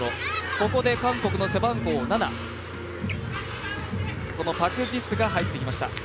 ここで韓国の背番号７、パク・ジスが入ってきました。